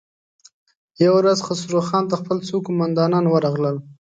يوه ورځ خسرو خان ته خپل څو قوماندان ورغلل.